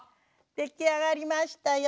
出来上がりましたよ。